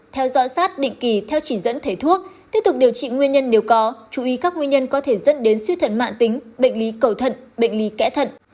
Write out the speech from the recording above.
theo dõi sát định kỳ theo chỉ dẫn thầy thuốc tiếp tục điều trị nguyên nhân nếu có chú ý các nguyên nhân có thể dẫn đến suy thận mạng tính bệnh lý cầu thận bệnh lý kẽ thận